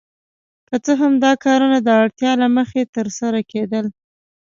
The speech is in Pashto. که څه هم دا کارونه د اړتیا له مخې ترسره کیدل.